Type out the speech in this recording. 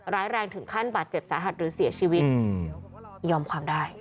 ร้ายแรงถึงขั้นบาดเจ็บสาหัสหรือเสียชีวิตยอมความได้